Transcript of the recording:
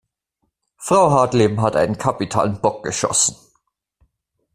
Frau Hartleben hat einen kapitalen Bock geschossen.